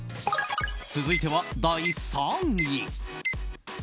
続いては、第３位。